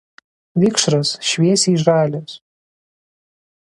Vikšras šviesiai žalias.